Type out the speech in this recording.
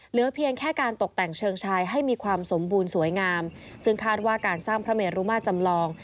เหลือเพียงแค่การตกแต่งเชิงชายให้มีความสมบูรณ์สวยงามซึ่งคาดว่าการสร้างพระเมรุมาจำลอง